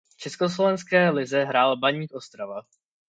V československé lize hrál Baník Ostrava.